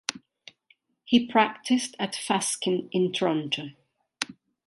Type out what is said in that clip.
He practised at Fasken in Toronto.